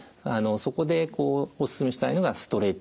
そこでお勧めしたいのがストレッチ。